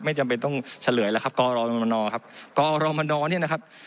จำเป็นต้องเฉลยแล้วครับกรมนครับกอรมนเนี่ยนะครับ